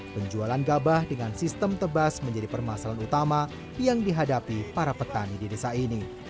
penjualan gabah dengan sistem tebas menjadi permasalahan utama yang dihadapi para petani di desa ini